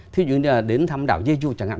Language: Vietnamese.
thí dụ như đến thăm đảo jeju chẳng hạn